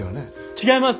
違います！